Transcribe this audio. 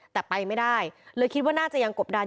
แต่ไปไม่ได้เลยคิดว่าน่าจะยังกบดัน